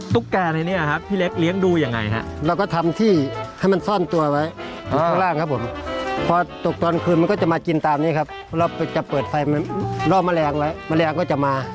แกในนี้ครับพี่เล็กเลี้ยงดูยังไงฮะเราก็ทำที่ให้มันซ่อนตัวไว้ข้างล่างครับผมพอตกตอนคืนมันก็จะมากินตามนี้ครับเราจะเปิดไฟล่อแมลงไว้แมลงก็จะมา